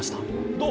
どう？